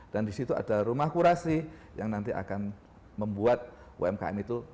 dan disitu ada rumah kurasi yang nanti akan membuat umkm itu berbinaan